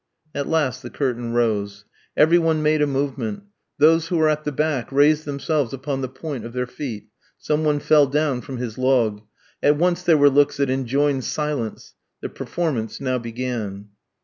At last the curtain rose. Every one made a movement. Those who were at the back raised themselves upon the point of their feet; some one fell down from his log. At once there were looks that enjoined silence. The performance now began.